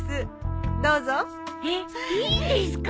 えっいいんですか？